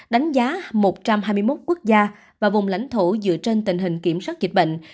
đánh giá một trăm hai mươi một quốc gia và vùng lãnh thổ dựa trên tình hình kiểm soát dịch bệnh